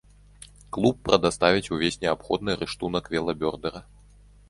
Клуб прадаставіць увесь неабходны рыштунак велабёрдэра.